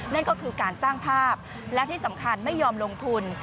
นั่นก็คือการสร้างภาพและที่สำคัญไม่ยอมลงทุน